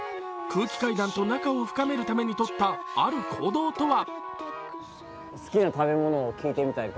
空気階段と仲を深めるためにとったある行動とは？